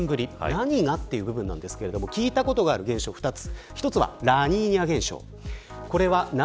何が、という部分ですが聞いたことがある現象２つ。